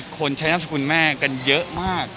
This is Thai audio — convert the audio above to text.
คนใช้นามสกุลแม่กันเยอะมาก